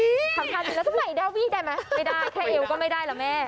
แล้วสมัยดาวีได้มั้ยไม่ได้แค่เอวก็ไม่ได้หรอแม่